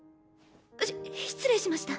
し失礼しました。